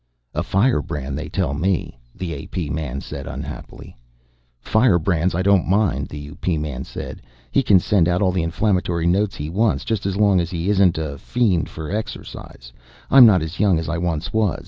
"A firebrand, they tell me," the A.P. man said unhappily. "Firebrands I don't mind," the U.P. man said. "He can send out all the inflammatory notes he wants just as long as he isn't a fiend for exercise. I'm not as young as I once was.